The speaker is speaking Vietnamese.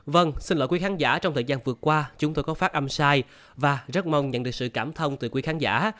vâng xin lỗi quý khán giả trong thời gian vừa qua chúng tôi có phát âm sai và rất mong nhận được sự cảm thông từ quý khán giả